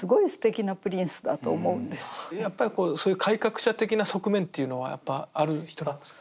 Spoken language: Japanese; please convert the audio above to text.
やっぱりそういう改革者的な側面っていうのはある人なんですか？